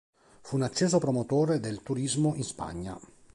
Fu un acceso promotore del turismo in Spagna.